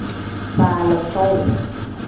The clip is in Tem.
Faala cowuu.